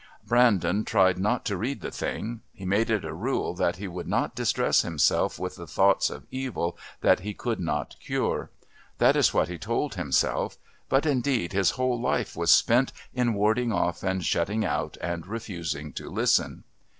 Brandon tried not to read the thing. He made it a rule that he would not distress himself with the thought of evils that he could not cure. That is what he told himself, but indeed his whole life was spent in warding off and shutting out and refusing to listen.